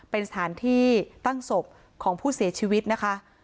เป็นสถานที่ตั้งศพของผู้เสียชีวิตนะคะ